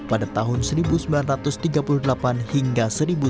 pada tahun seribu sembilan ratus tiga puluh delapan hingga seribu sembilan ratus sembilan puluh